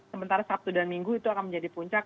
sementara sabtu dan minggu itu akan menjadi puncak